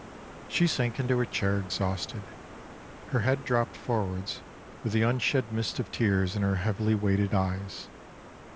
She sank into her chair exhausted, her head dropped forwards with the unshed mist of tears in her heavily weighted eyes.